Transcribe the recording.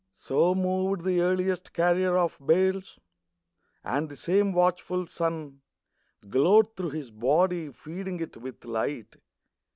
So moved the earliest carrier of bales, And the same watchful sun Glowed through his body feeding it with light.